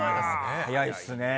早いっすね。